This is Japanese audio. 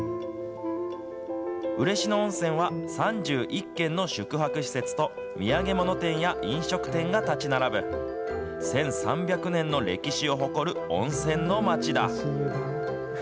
嬉野温泉は３１軒の宿泊施設と、土産物店や飲食店が建ち並ぶ、１３００年の歴史を誇る温泉の町だ。